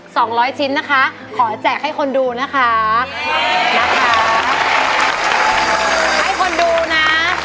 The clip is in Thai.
สองร้อยชิ้นนะคะขอแจกให้คนดูนะคะให้คนดูนะ